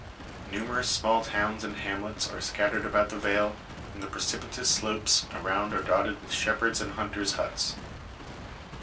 Numerous small towns and hamlets are scattered about the vale, and the precipitous slopes around are dotted with shepherds' and hunters' huts.